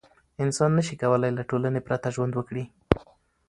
انسان نسي کولای له ټولنې پرته ژوند وکړي.